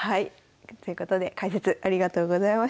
ということで解説ありがとうございました。